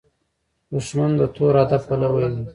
دښمن د تور هدف پلوي وي